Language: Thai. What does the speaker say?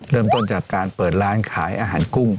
เริ่มต้นจากการเปิดร้านขายอาหารกุ้ง